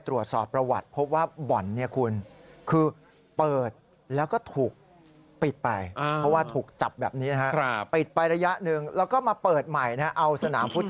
แต่ป้าก็เสียหมด๒๐๐๐๐๐บาท